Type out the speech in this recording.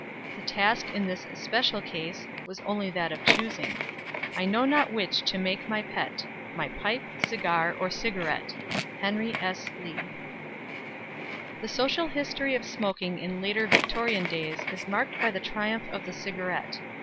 The task in this especial case Was only that of choosing. I knew not which to make my pet My pipe, cigar, or cigarette. HENRY S. LEIGH. The social history of smoking in later Victorian days is marked by the triumph of the cigarette.